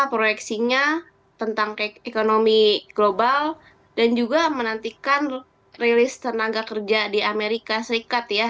proyeksinya tentang ekonomi global dan juga menantikan rilis tenaga kerja di amerika serikat ya